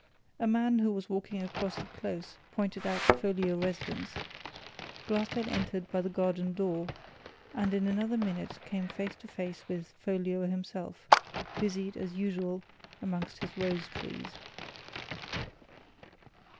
A man who was walking across the Close pointed out the Folliot residence Glassdale entered by the garden door, and in another minute came face to face with Folliot himself, busied, as usual, amongst his rose trees.